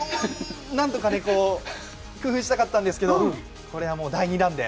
なんとか工夫したかったんですけどこれは代理なんで。